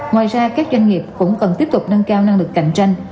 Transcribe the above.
ngoài ra các doanh nghiệp cũng cần tiếp tục nâng cao năng lực cạnh tranh